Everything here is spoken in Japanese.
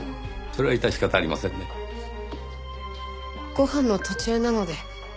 ご飯の途中なので。